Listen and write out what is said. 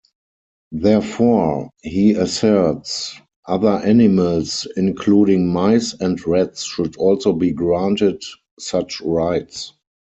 Therefore, he asserts, other animals-including mice and rats-should also be granted such rights.